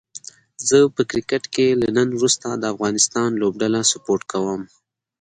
زه په کرکټ کې له نن وروسته د افغانستان لوبډله سپوټ کووم